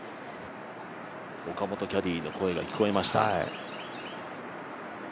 岡本キャディーの声が聞こえました。